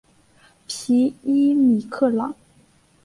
皮伊米克朗。